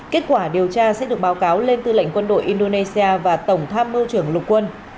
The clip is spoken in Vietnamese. kết quả điều tra sẽ được báo cáo lên tư lệnh quân đội indonesia và tổng tham mưu trưởng lục quân